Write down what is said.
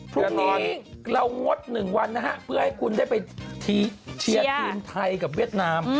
พรุ่งนี้เรางด๑วันนะฮะเพื่อให้คุณได้ไปเชียร์ทีมไทยกับเวียดนาม